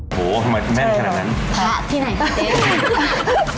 โอ้โฮทำไมแม่นขนาดนั้น